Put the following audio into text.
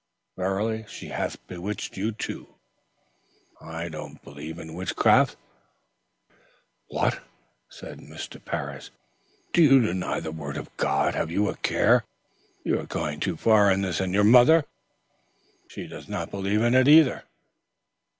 "Verily, she hath bewitched you." "I do not believe in witchcraft." "What! Do you deny the word of God? Have a care! You are going too far in this. And your mother?" "She does not believe in it, either."